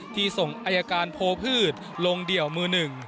ที่ส่งอายการโพพืชลงเดี่ยวมือหนึ่ง